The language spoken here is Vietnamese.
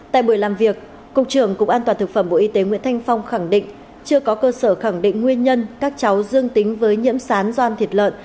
tại buổi làm việc cục trưởng cục an toàn thực phẩm bộ y tế nguyễn thanh phong khẳng định chưa có cơ sở khẳng định nguyên nhân các cháu dương tính với nhiễm sán doan thịt lợn